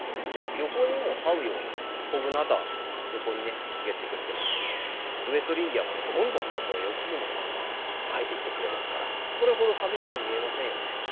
横にも這うようなコグナータ横にね茂ってくれてますしウエストリンギアもねどんどんどんどん横にもこんな生えていってくれますからそれほど寂しく見えませんよね。